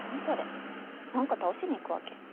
それ何か倒しに行くわけ？